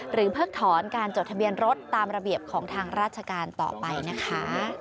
เพิกถอนการจดทะเบียนรถตามระเบียบของทางราชการต่อไปนะคะ